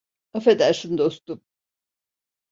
Affedersin dostum.